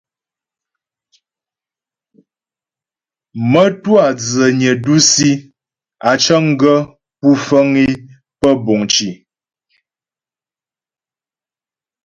Mə́twâ dzənyə dǔsi á cəŋ gaə́ pú fəŋ é pə́ buŋ cì.